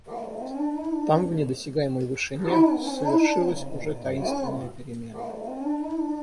Там, в недосягаемой вышине, совершилась уже таинственная перемена.